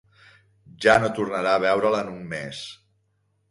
Ja no tornarà a veure-la en un mes.